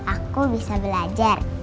aku bisa belajar